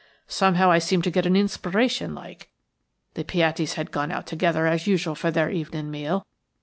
Somehow I seemed to get an inspiration like. The Piattis had gone out together as usual for their evening meal.